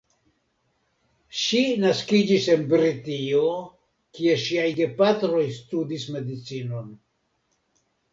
Ŝi naskiĝis en Britio kie ŝiaj gepatroj studis medicinon.